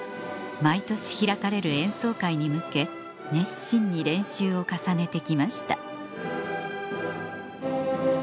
毎年開かれる演奏会に向け熱心に練習を重ねて来ました